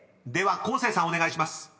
［では昴生さんお願いします］